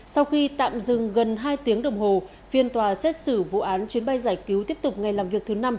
sau khi tạm dừng gần hai tiếng đồng hồ viên tòa xét xử vụ án chuyến bay giải cứu tiếp tục ngày làm việc thứ năm